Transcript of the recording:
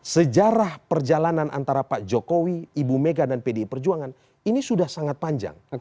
sejarah perjalanan antara pak jokowi ibu mega dan pdi perjuangan ini sudah sangat panjang